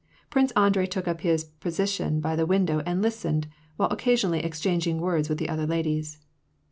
Prince Andrei took up liis position by the window and listened, while occasionally ex changing words with the other ladies.